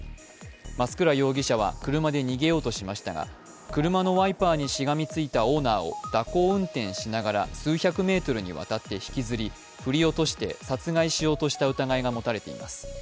増倉容疑者は車で逃げようとしましたが車のワイパーにしがみついたオーナーを蛇行運転しながら数百メートルにわたって引きずり、振り落として殺害しようとした疑いが持たれています。